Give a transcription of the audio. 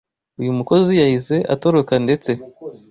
Uyu mukozi yahise atoroka ndetse